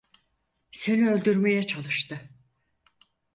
Seni öldürmeye çalıştı.